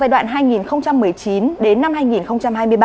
trong giai đoạn hai nghìn một mươi chín hai nghìn hai mươi ba